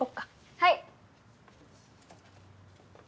はい！